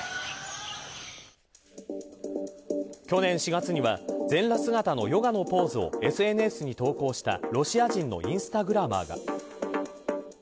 去年４月には全裸姿のヨガのポーズをＳＮＳに投稿したロシア人のインスタグラマーが。